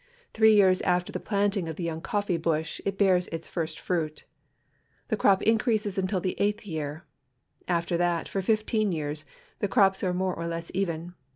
Three years after the planting of the young cofiee bush it bears its first fruit. The crop increases until the eighth year; after that, for fifteen years, the crops are more or less even.